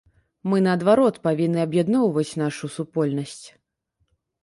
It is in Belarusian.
Мы, наадварот, павінны аб'ядноўваць нашу супольнасць.